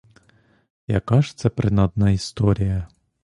Яка ж це принадна історія!